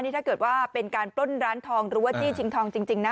ถ้าเกิดว่าเป็นการปล้นร้านทองหรือว่าจี้ชิงทองจริงนะ